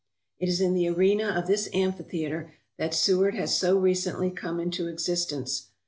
It is in the arena of this amphitheatre that Seward has so recently come into existence.